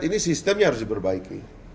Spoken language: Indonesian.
ini sistemnya harus diperbaiki